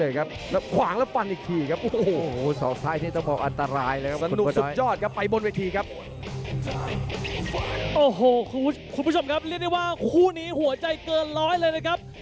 โอ้โหคุณผู้ชมครับเรียกได้ว่าคู่นี้หัวใจเกินร้อยเลยนะครับ